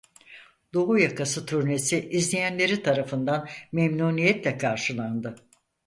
Doğu yakası turnesi izleyenleri tarafından memnuniyetle karşılandı.